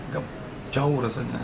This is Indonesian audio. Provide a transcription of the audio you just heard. gak jauh rasanya